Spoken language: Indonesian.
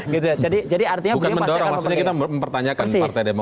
bukan mendorong maksudnya kita mempertanyakan partai demokrat